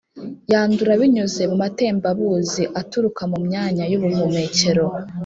yandura binyuze mu matembabuzi aturuka mu myanya y’ubuhumekero